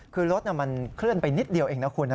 คือรถมันเคลื่อนไปนิดเดียวเองนะคุณนะ